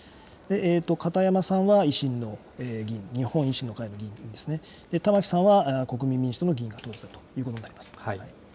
片山さんは維新の議員、日本維新の会の議員ですね、玉木さんは国民民主党の議員が投じたということになります。